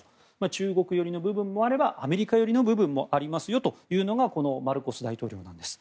中国寄りの部分もあればアメリカ寄りの部分もありますよというのがマルコス大統領なんです。